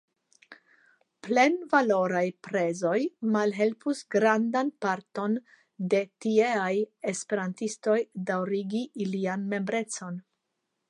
Plenvaloraj prezoj malhelpus grandan parton de la tieaj Esperantistoj daŭrigi ilian membrecon.